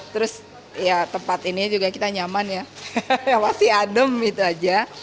terus ya tempat ini juga kita nyaman ya yang pasti adem gitu aja